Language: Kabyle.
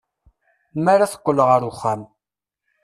Mi ara d-teqqel ɣer uxxam.